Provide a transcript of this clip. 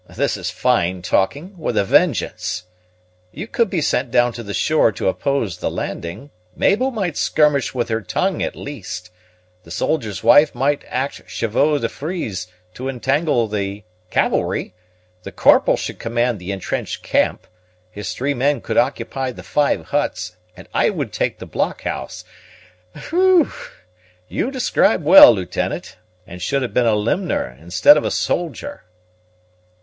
This is fine talking, with a vengeance. You could be sent down to the shore to oppose the landing, Mabel might skirmish with her tongue at least, the soldier's wife might act chevaux de frise to entangle the cavalry, the corporal should command the entrenched camp, his three men could occupy the five huts, and I would take the blockhouse. Whe e e w! you describe well, Lieutenant; and should have been a limner instead of a soldier."